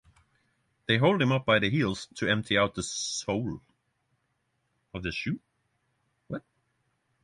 They hold him up by the heels to empty out the soul.